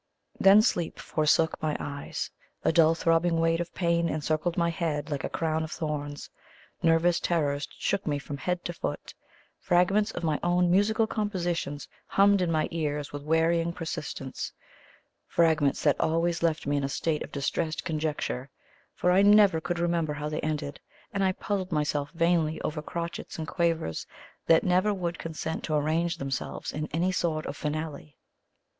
Then sleep forsook my eyes; a dull throbbing weight of pain encircled my head like a crown of thorns; nervous terrors shook me from head to foot; fragments of my own musical compositions hummed in my ears with wearying persistence fragments that always left me in a state of distressed conjecture; for I never could remember how they ended, and I puzzled myself vainly over crotchets and quavers that never would consent to arrange themselves in any sort of finale.